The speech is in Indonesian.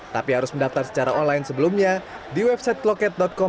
tapi harus mendaftar secara online sebelumnya di website kloket com